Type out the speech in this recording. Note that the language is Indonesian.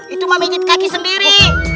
itu mah menjit kaki sendiri